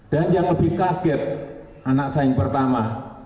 dan yang lebih kaget anak saya yang pertama